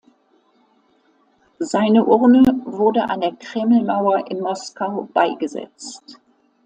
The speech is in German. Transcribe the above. Seine Urne wurde an der Kremlmauer in Moskau beigesetzt.